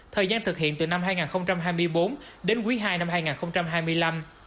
thời gian thực hiện từ năm hai nghìn hai mươi bốn đến quý ii năm hai nghìn hai mươi năm